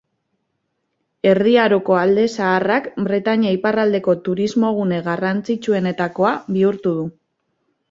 Erdi Aroko alde zaharrak Bretainia iparraldeko turismogune garrantzitsuenetakoa bihurtu du.